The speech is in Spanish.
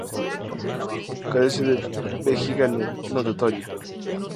Carece de vejiga natatoria.